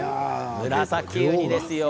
ムラサキウニです。